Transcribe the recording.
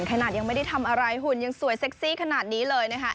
ขนาดยังไม่ได้ทำอะไรหุ่นยังสวยเซ็กซี่ขนาดนี้เลยนะคะ